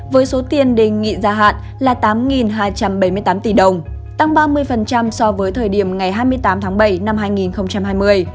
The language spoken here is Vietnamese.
với số tiền đề nghị gia hạn là tám hai trăm bảy mươi tám tỷ đồng tăng ba mươi so với thời điểm ngày hai mươi tám tháng bảy năm hai nghìn hai mươi